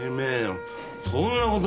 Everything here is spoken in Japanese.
そんなことまで！？